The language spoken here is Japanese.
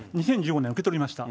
２０１５年受け取りました。